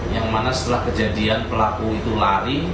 yang mana setelah kejadian pelaku itu lari